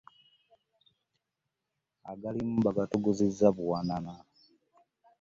Agalimu baagatuguzizza buwanana.